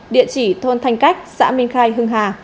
địa chỉ thôn thanh cách xã minh khai hưng hà